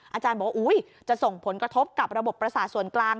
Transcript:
อาจารย์บอกว่าจะส่งผลกระทบกับระบบประสาทส่วนกลาง